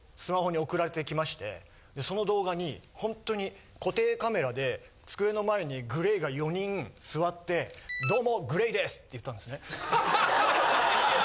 その動画にほんとに固定カメラで机の前にＧＬＡＹが４人座って「どうもＧＬＡＹです！！」って言ったんですね。